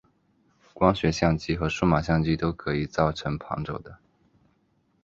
光学相机和数码相机都可以造成旁轴的。